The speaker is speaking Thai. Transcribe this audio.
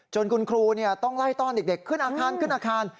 จนคุณครูต้องไล่ต้อนเด็กขึ้นอาคาร